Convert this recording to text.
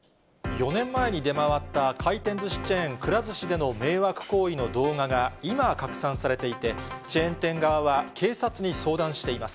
４年前に出回った、回転ずしチェーン、くら寿司での迷惑行為の動画が、今、拡散されていて、チェーン店側は警察に相談しています。